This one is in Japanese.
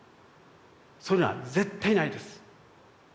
そういうのは絶対にないです。